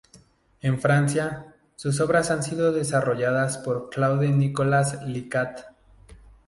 En Francia, sus obras han sido desarrolladas por Claude-Nicolas Le Cat.